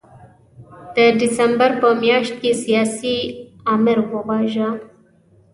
د ډسمبر په میاشت کې سیاسي آمر وواژه.